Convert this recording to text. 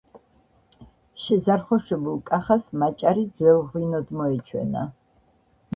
შეზარხოშებულ კახას მაჭარი ძველ ღვინოდ მოეჩვენა.